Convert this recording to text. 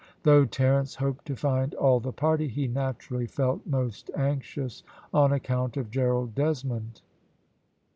Though Terence hoped to find all the party, he naturally felt most anxious on account of Gerald Desmond.